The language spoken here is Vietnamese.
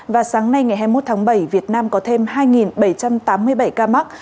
và sáng nay ngày hai mươi một tháng bảy việt nam có thêm hai bảy trăm tám mươi bảy ca mắc